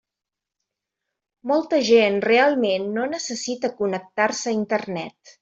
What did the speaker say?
Molta gent realment no necessita connectar-se a Internet.